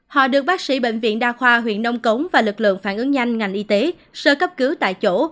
họ được bác sĩ bệnh viện đa khoa huyện nông cống và lực lượng phản ứng nhanh ngành y tế sơ cấp cứu tại chỗ